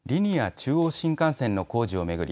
中央新幹線の工事を巡り